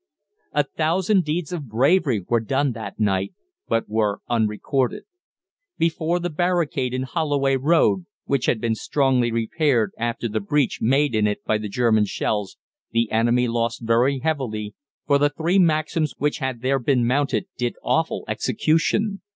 A thousand deeds of bravery were done that night, but were unrecorded. Before the barricade in Holloway Road which had been strongly repaired after the breach made in it by the German shells the enemy lost very heavily, for the three Maxims which had there been mounted did awful execution.